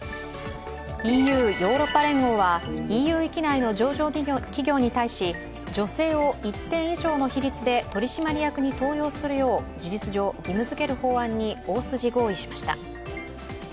ＥＵ＝ヨーロッパ連合はＥＵ域内の上場企業に対し、女性を一定以上の比率で取締役に登用するよう、事実上義務付ける法案に大筋合意しました。